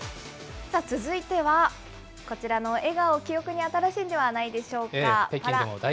続いてはこちらの笑顔、記憶に新しいんではないでしょうか。